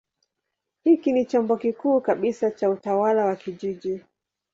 Hiki ni chombo kikuu kabisa cha utawala wa kijiji.